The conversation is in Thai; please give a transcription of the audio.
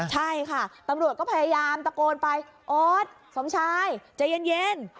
ใช่ค่ะตำรวจก็พยายามตะโกนไปออสสมชายใจเย็น